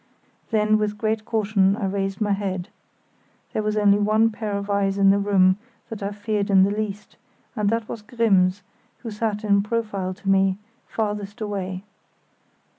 Then with great caution I raised my head. There was only one pair of eyes in the room that I feared in the least, and that was Grimm's, who sat in profile to me, farthest away.